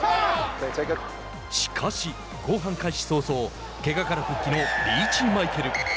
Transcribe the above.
しかし、後半開始早々けがから復帰のリーチマイケル。